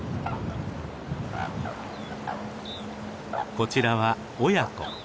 こちらは親子。